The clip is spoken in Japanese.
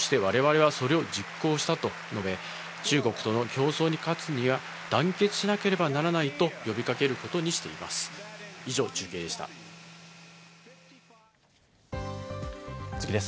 そして我々はそれを実行したと述べ、中国との競争に勝つためには団結しなければならないと呼びかけることにしています。